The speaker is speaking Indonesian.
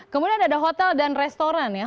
kemudian ada hotel dan restoran ya